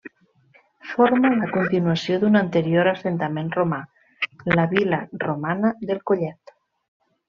Forma la continuació d'un anterior assentament romà, la vil·la romana del Collet.